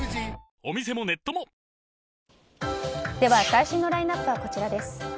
最新のラインアップはこちらです。